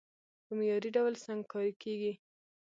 په معياري ډول سنګکاري کېږي،